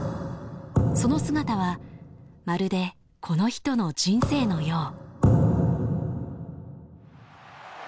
その姿はまるでこの人の人生のよう。